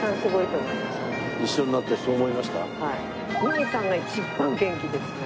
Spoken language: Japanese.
ミエさんが一番元気ですね。